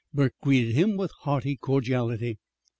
Burke greeted him with hearty cordiality.